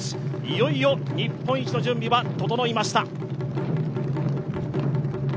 いよいよ日本一の準備は整いました。